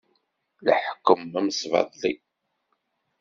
Leḥkem amesbaṭli.